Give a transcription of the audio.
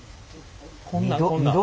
こんなんこんなん。